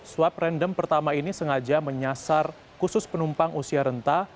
swab random pertama ini sengaja menyasar khusus penumpang usia renta